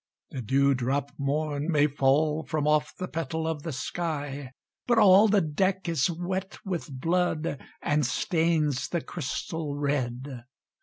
"The dewdrop morn may fall from off the petal of the sky, But all the deck is wet with blood and stains the crystal red.